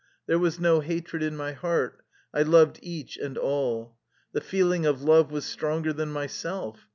There was no hatred in my heart : I loved each and all. The feeling of love was stronger than myself.